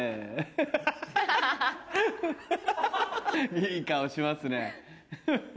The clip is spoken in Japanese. いい顔しますね。